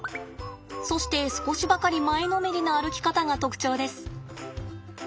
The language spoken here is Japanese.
そして少しばかり前のめりな歩き方が特徴です。